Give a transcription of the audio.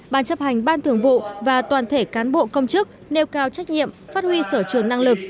ban chấp hành ban thường vụ và toàn thể cán bộ công chức nêu cao trách nhiệm phát huy sở trường năng lực